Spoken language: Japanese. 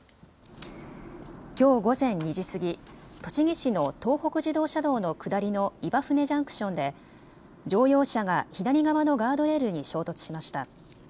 きょう午前２時過ぎ栃木市の東北自動車道の下りの岩舟ジャンクションで乗用車が左側のガードレールに衝突しました。